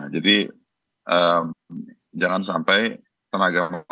jadi jangan sampai tenaga mahasiswa